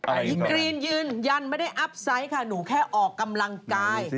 อีกกรีนยืนยันไม่ได้อัพไซต์ค่ะหนูแค่ออกกำลังกาย